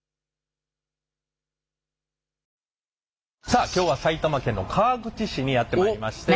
さあ今日は埼玉県の川口市にやって参りまして